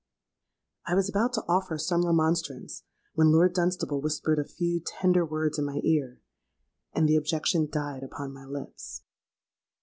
'—I was about to offer some remonstrance, when Lord Dunstable whispered a few tender words in my ear; and the objection died upon my lips.